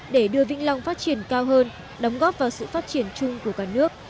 để đưa vĩnh long phát triển cao hơn đóng góp vào sự phát triển chung của cả nước